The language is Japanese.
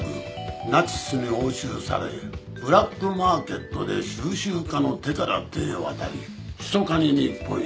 ナチスに押収されブラックマーケットで収集家の手から手へ渡りひそかに日本へ。